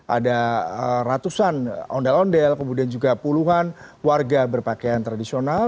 ada ratusan ondel ondel kemudian juga puluhan warga berpakaian tradisional